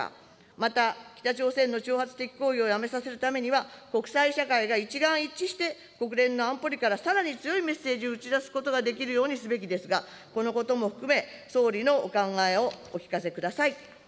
また北朝鮮の挑発的行為をやめさせるためには、国際社会が一丸一致して、国連の安保理からさらに強いメッセージを打ち出すことができるようにすべきですが、このことも含め、総理のお考えをお聞かせください。